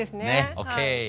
ＯＫ！